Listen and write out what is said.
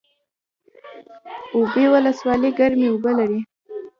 اوبې ولسوالۍ ګرمې اوبه لري؟